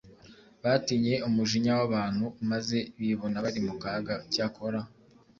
batinye umujinya w'abantu maze bibona bari mu kaga. Cyakora,